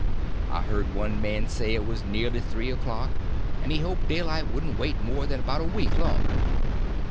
I heard one man say it was nearly three o'clock, and he hoped daylight wouldn't wait more than about a week longer.